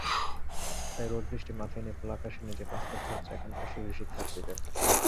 তাই রোদ-বৃষ্টি মাথায় নিয়ে খোলা আকাশের নিচে ক্লাস করতে হচ্ছে এখানকার শিশুশিক্ষার্থীদের।